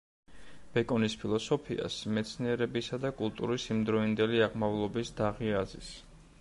ბეკონის ფილოსოფიას მეცნიერებისა და კულტურის იმდროინდელი აღმავლობის დაღი აზის.